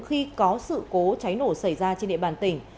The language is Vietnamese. khi có sự cố cháy nổ xảy ra trên địa bàn tỉnh